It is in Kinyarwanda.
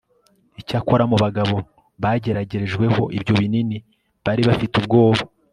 icyakora mu bagabo bageragerejweho ibyo binini bari bafitee ubwoba